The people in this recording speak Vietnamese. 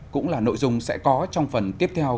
cũng là nội dung sẽ có trong phần tiếp theo